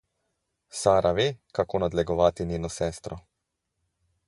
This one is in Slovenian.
Sara ve, kako nadlegovati njeno sestro.